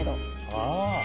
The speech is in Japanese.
ああ！